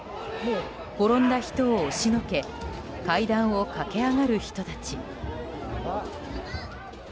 転んだ人を押しのけ階段を駆け上がる人たち。